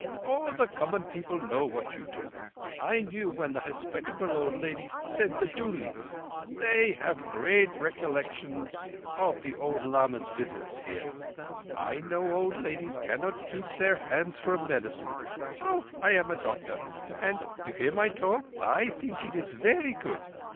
All the common people know what you do. I knew when the hospitable old lady sent the dooli. They have great recollections of the old lama's visits here. I know old ladies cannot keep their hands from medicines. So I am a doctor, and—you hear my talk? I think it is verree good.